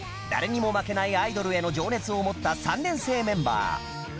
誰にも負けないアイドルへの情熱を持った３年生メンバー